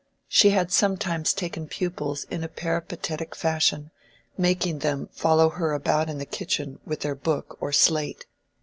She had sometimes taken pupils in a peripatetic fashion, making them follow her about in the kitchen with their book or slate.